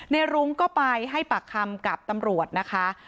รุ้งก็ไปให้ปากคำกับตำรวจนะคะ